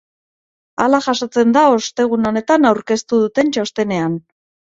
Hala jasotzen da ostegun honetan aurkeztu duten txostenean.